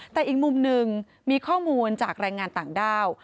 แต่อีกมุมหนึ่งมีข้อมูลจากแรงงานต่างด้าว